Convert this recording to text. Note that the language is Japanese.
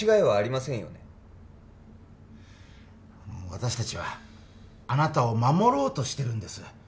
私達はあなたを守ろうとしてるんです